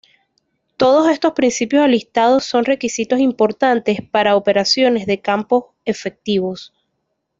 Todos estos principios alistados son requisitos importantes para operaciones de campo efectivos.